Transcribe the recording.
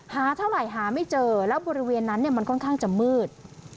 หาเท่าไหร่หาไม่เจอแล้วบริเวณนั้นมันค่อนข้างจะมืด